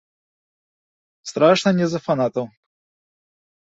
Страшна не з-за фанатаў.